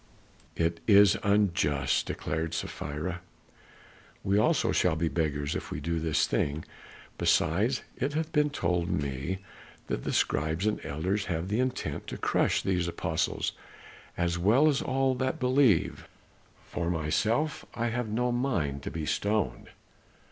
"It is unjust," declared Sapphira, "we also shall be beggars if we do this thing, besides it hath been told me that the scribes and elders have the intent to crush these apostles as well as all that believe; for myself I have no mind to be stoned."